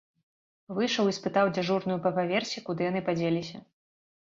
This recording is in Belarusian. Выйшаў і спытаў дзяжурную па паверсе, куды яны падзеліся.